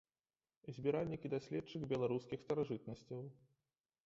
Збіральнік і даследчык беларускіх старажытнасцяў.